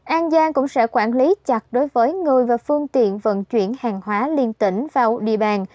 an giang cũng sẽ quản lý chặt đối với người và phương tiện vận chuyển hàng hóa liên tỉnh vào địa bàn